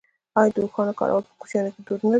آیا د اوښانو کارول په کوچیانو کې دود نه دی؟